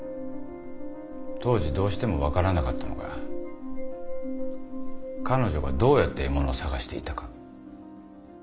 当時どうしても分からなかったのが彼女がどうやって獲物を探していたか？